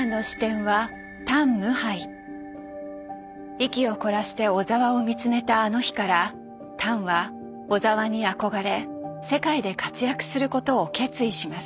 息を凝らして小澤を見つめたあの日からタンは小澤に憧れ世界で活躍することを決意します。